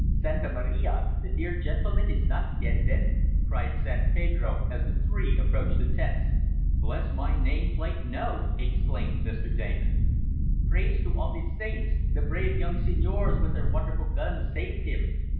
"Santa Maria! The dear gentleman is not dead then?" cried San Pedro, as the three approached the tents. "Bless my name plate, no!" exclaimed Mr. Damon. "Praise to all the saints! The brave young senors with their wonderful guns saved him.